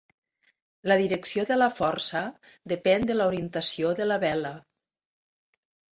La direcció de la força depèn de l'orientació de la vela.